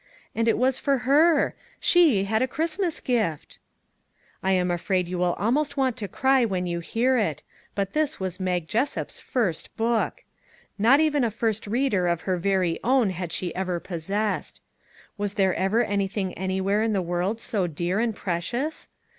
And it was for her ! She had a Christmas gift ! I am afraid you will almost want to cry when you hear it, but this was Mag Jessup's first book. Not even a First Reader of her very own had she ever possessed. Was there ever anything anywhere in the world so dear and precious?